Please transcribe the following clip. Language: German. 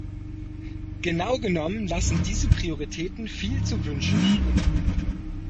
Genau genommen lassen diese Prioritäten viel zu wünschen übrig.